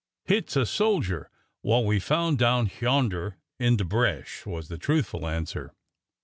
Hit 's a soldier wha' we found down hyarnder in de bresh," was the truthful answer.